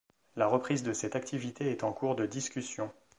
La reprise de cette activité est en cours de discussion.